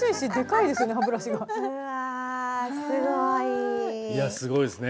いやすごいっすね。